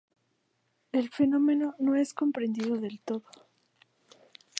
El fenómeno no es comprendido del todo.